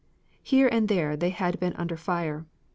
Here and there they had been under fire.